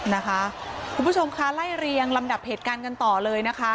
นะคะคุณผู้ชมคะไล่เรียงลำดับเหตุการณ์กันต่อเลยนะคะ